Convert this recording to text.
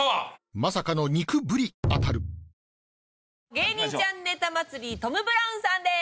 『芸人ちゃんネタ祭り』トム・ブラウンさんです。